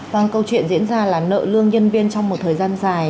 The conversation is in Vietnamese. vâng câu chuyện diễn ra là nợ lương nhân viên trong một thời gian dài